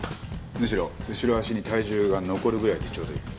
むしろ後ろ足に体重が残るぐらいでちょうどいい。